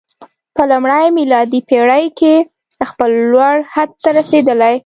په لومړۍ میلادي پېړۍ کې خپل لوړ حد ته رسېدلی.